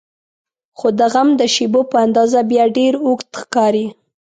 خو د غم د شیبو په اندازه بیا ډېر اوږد ښکاري.